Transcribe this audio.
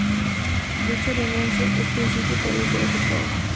Dicha renuncia, en principio parece ser aceptada.